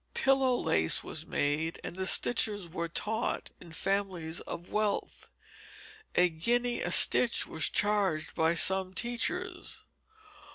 Pillow lace was made, and the stitches were taught in families of wealth; a guinea a stitch was charged by some teachers.